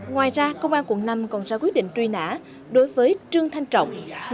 ngoài ra công an quận năm còn ra quyết định truy nã đối với trương thanh trọng